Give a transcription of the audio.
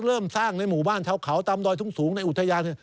เริ่มสร้างในหมู่บ้านชาวเขาตามดอยสูงในอุทยาน